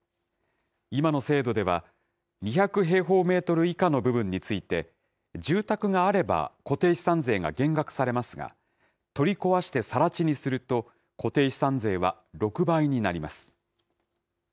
今の制度では、２００平方メートル以下の部分について、住宅があれば、固定資産税が減額されますが、取り壊してさら地にすると、固定資産税は６倍になります。